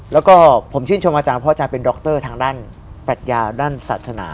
แล้วก็ผมชื่นชมอาจารย์เพราะอาจารย์เป็นดรทางด้านปรัชญาด้านศาสนา